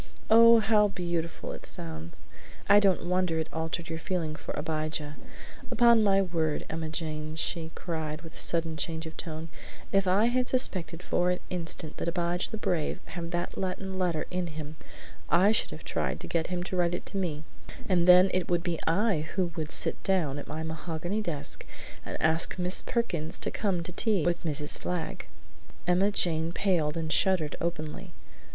"Oh, how beautiful it sounds! I don't wonder it altered your feeling for Abijah! Upon my word, Emma Jane," she cried with a sudden change of tone, "if I had suspected for an instant that Abijah the Brave had that Latin letter in him I should have tried to get him to write it to me; and then it would be I who would sit down at my mahogany desk and ask Miss Perkins to come to tea with Mrs. Flagg." Emma Jane paled and shuddered openly.